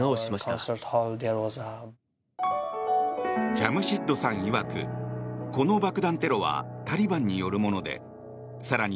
ジャムシッドさんいわくこの爆弾テロはタリバンによるもので更に